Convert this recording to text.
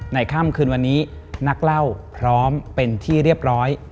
ค่ำคืนวันนี้นักเล่าพร้อมเป็นที่เรียบร้อย